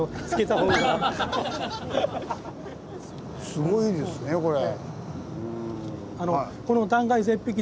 すごいですねこれ。